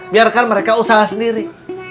biarkan mereka usaha sendiri